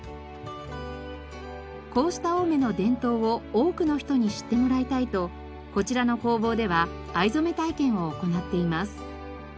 こうした青梅の伝統を多くの人に知ってもらいたいとこちらの工房では藍染体験を行っています。